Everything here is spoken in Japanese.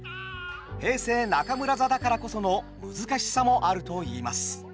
平成中村座だからこその難しさもあるといいます。